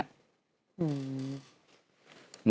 อืม